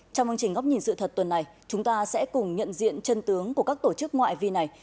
trong hành trình góc nhìn sự thật tuần này chúng ta sẽ cùng nhận diện chân tướng của các tổ chức ngoại vi này